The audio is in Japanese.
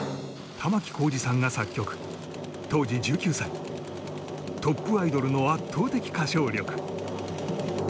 玉置浩二さんが作曲当時１９歳トップアイドルの圧倒的歌唱力